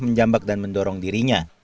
menjambak dan mendorong dirinya